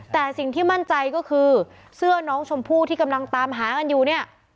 แต่สิ่งที่มั่นใจก็คือเสื้อน้องชมพู่ที่กำลังตามหากันอยู่เนี่ย